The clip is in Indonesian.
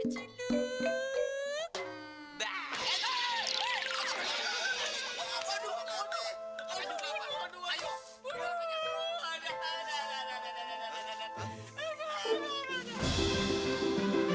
satu dua tiga